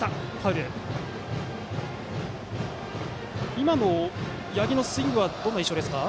今の八木のスイングはどんな印象ですか？